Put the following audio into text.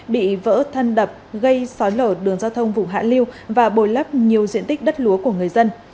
bị vỡ thân đập gây sói lở đường giao thông vùng hạ liêu và bồi lấp nhiều diện tích đất lúa của người dân